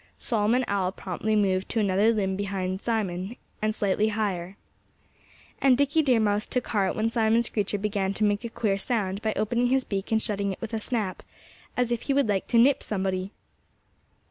Solomon Owl promptly moved to another limb behind Simon, and slightly higher. And Dickie Deer Mouse took heart when Simon Screecher began to make a queer sound by opening his beak and shutting it with a snap, as if he would like to nip somebody.